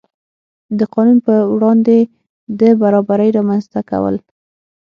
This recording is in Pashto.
د قانون په وړاندې د برابرۍ رامنځته کول.